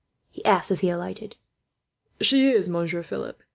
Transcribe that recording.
he asked, as he alighted. "She is, Monsieur Philip.